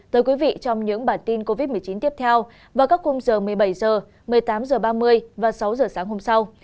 tới quý vị trong những bản tin covid một mươi chín tiếp theo vào các khung giờ một mươi bảy h một mươi tám h ba mươi và sáu h sáng hôm sau